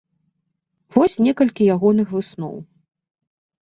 Вось некалькі ягоных высноў.